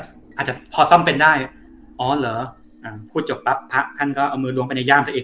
พระข้างก็เอามือลงไปในจ่ามตัวเองพระข้างก็เอามือลงไปในจ่ามตัวเอง